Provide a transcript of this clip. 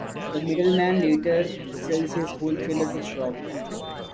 The middleman later sells his wholesaler to Frog.